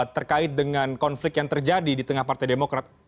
terkait dengan konflik yang terjadi di tengah partai demokrat